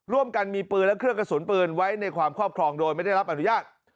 ร่วมกันมีปืนและเครื่องกระสุนปืนไว้ในความครอบครองโดยไม่ได้รับอนุญาต